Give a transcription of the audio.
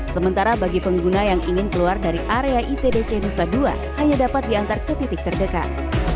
sementara bagi pengguna yang ingin keluar dari area itdc nusa dua hanya dapat diantar ke titik terdekat